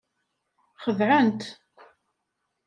Xeddɛent.